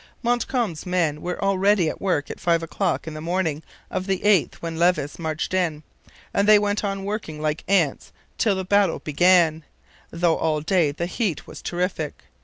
Montcalm's men were already at work at five o'clock in the morning of the 8th when Levis marched in; and they went on working like ants till the battle began, though all day the heat was terrific.